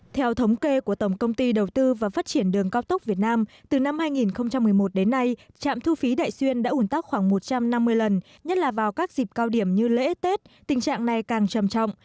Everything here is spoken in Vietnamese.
theo thống kê của tổng công ty đầu tư và phát triển đường cao tốc việt nam từ năm hai nghìn một mươi một đến nay trạm thu phí đại xuyên đã ủn tắc khoảng một trăm năm mươi lần nhất là vào các dịp cao điểm như lễ tết tình trạng này càng trầm trọng